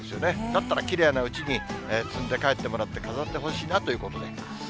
だったらきれいなうちに摘んで帰ってもらって、飾ってほしいなということで。